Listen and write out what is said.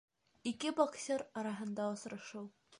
Ике боксер араһында осрашыу